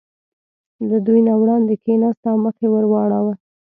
له دوی نه وړاندې کېناست او مخ یې ور واړاوه.